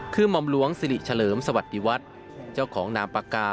คือหม่อมหลวงสิริเฉลิมสวัสดีวัฒน์เจ้าของนามปากกา